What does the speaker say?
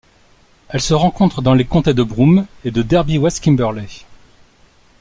Elle se rencontre dans les comtés de Broome et de Derby-West Kimberley.